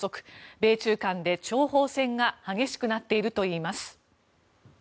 米中間で諜報戦が激しくなっているといいます。